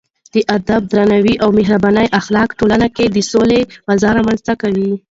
د ادب، درناوي او مهربانۍ اخلاق ټولنه کې د سولې فضا رامنځته کوي.